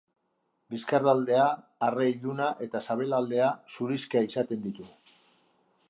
Bizkarraldea arre iluna eta sabelaldea zurixka izaten ditu.